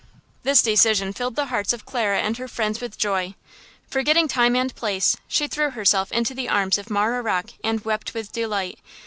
This decision filled the hearts of Clara and her friends with joy. Forgetting time, and place, she threw herself into the arms of Marah Rocke and wept with delight.